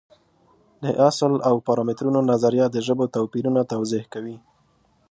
د اصل او پارامترونو نظریه د ژبو توپیرونه توضیح کوي.